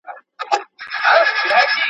زه پرون موسيقي اورم وم!!